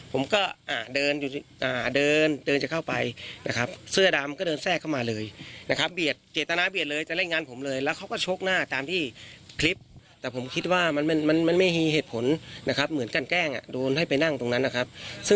ผมก็เดินเดินจะเข้าไปนะครับเสื้อดำก็เดินแทรกเข้ามาเลยนะครับ